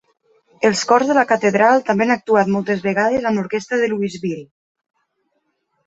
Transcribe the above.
Els cors de la Catedral també han actuat moltes vegades amb l'Orquestra de Louisville.